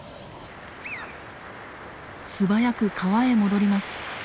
素早く川へ戻ります。